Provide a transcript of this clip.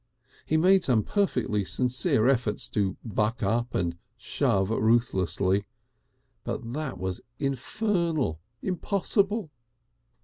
He made some perfectly sincere efforts to "buck up" and "shove" ruthlessly. But that was infernal impossible.